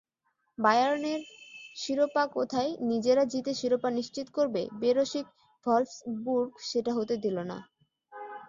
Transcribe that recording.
বায়ার্নের শিরোপাকোথায় নিজেরা জিতে শিরোপা নিশ্চিত করবে, বেরসিক ভলফ্সবুর্গ সেটা হতে দিল না।